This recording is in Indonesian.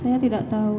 saya tidak tahu